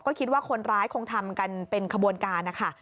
ก็คิดว่าคนร้ายคงทำกันเป็นขบวนการนะคะ